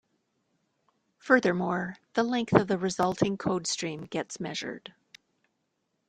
Furthermore, the length of the resulting code stream gets measured.